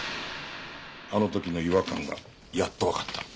あの時の違和感がやっとわかった。